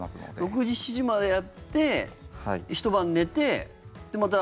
６時、７時までやってひと晩寝て、また？